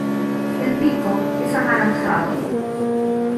El pico es anaranjado.